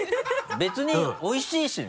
別においしいしね。